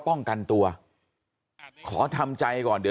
บอกแล้วบอกแล้วบอกแล้ว